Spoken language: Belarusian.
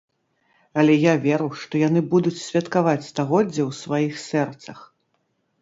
Але я веру, што яны будуць святкаваць стагоддзе ў сваіх сэрцах.